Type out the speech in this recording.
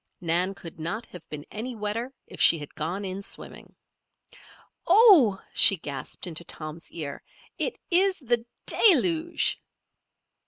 Nan could not have been any wetter if she had gone in swimming. "Oh!" she gasped into Tom's ear. "It is the deluge!"